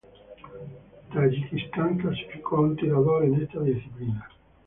Tayikistán clasificó a un tirador en esta disciplina.